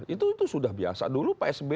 itu sudah biasa dulu psb